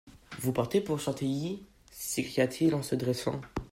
Vous partez pour Chantilly ? s'écria-t-il en se dressant.